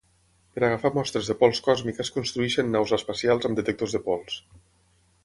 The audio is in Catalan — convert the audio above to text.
Per agafar mostres de pols còsmica es construeixen naus espacials amb detectors de pols.